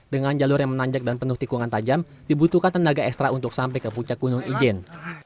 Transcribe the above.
dengan jalur yang menanjak dan penuh tikungan tajam dibutuhkan tenaga ekstra untuk sampai ke puncak gunung ijen